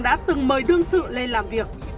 đã từng mời đương sự lên làm việc